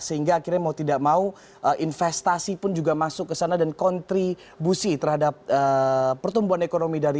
sehingga akhirnya mau tidak mau investasi pun juga masuk ke sana dan kontribusi terhadap pertumbuhan ekonomi dari